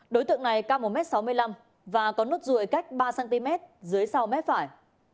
đối tượng này cao một m sáu mươi năm và có nốt ruồi cách ba cm dưới sau mép phải